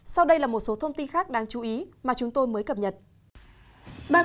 sau đây là một số thông tin khác đáng chú ý mà chúng tôi mới cập nhật